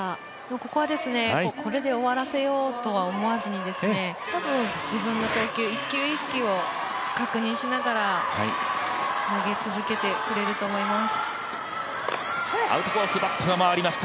ここはこれで終わらせようとは思わずに多分、自分の投球一球一球を確認しながら投げ続けてくれると思います。